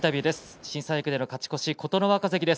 新三役での勝ち越し琴ノ若関です。